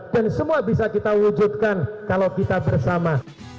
dan semua bisa kita wujudkan kalau kita bersama